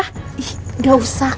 ih gak usah